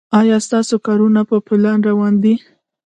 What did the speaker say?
ایا ستاسو کارونه په پلان روان دي؟